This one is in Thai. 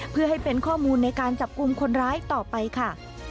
เพื่อให้เป็นข้อมูลในการจับกลุ่มคนร้ายต่อไปค่ะ